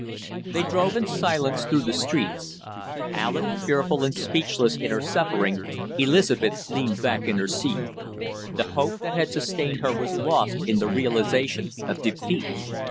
They drove in silence through the streets. Pallid, fearful, and speechless in her suffering, Elizabeth leaned back in her seat. The hope that had sustained her was lost in the realization of defeat.